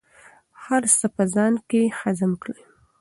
هر څه په ځان کې هضم کړئ.